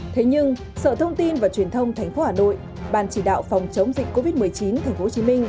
thế nhưng sở thông tin và truyền thông tp hà nội ban chỉ đạo phòng chống dịch covid một mươi chín tp hcm